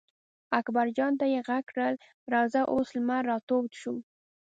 اکبر جان ته یې غږ کړل: راځه اوس لمر را تود شو.